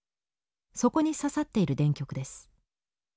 そこに刺さっている電極です。